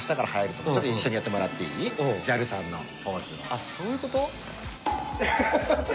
あっそういうこと？